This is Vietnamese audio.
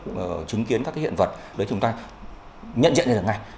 chúng ta đem đến để họ trực tiếp chứng kiến các cái hiện vật để chúng ta nhận diện được ngay